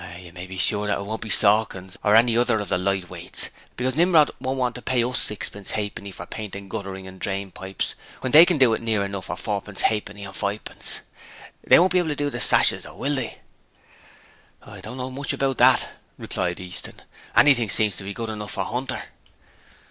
'You may be sure it won't be Sawkins or any of the other light weights, because Nimrod won't want to pay us sixpence ha'penny for painting guttering and rainpipes when THEY can do it near enough for fourpence ha'penny and fivepence. They won't be able to do the sashes, though, will they?' 'I don't know so much about that,' replied Easton. 'Anything seems to be good enough for Hunter.'